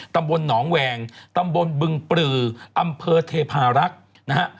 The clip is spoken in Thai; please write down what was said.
ตำบลหนองแวงตำบลบึงปลืออำเภอเทพารักษ์นะฮะ